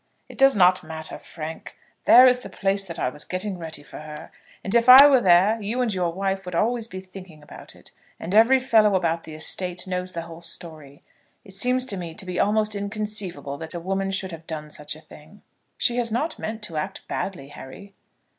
"It does not matter, Frank. There is the place that I was getting ready for her. And if I were there, you and your wife would always be thinking about it. And every fellow about the estate knows the whole story. It seems to me to be almost inconceivable that a woman should have done such a thing." "She has not meant to act badly, Harry."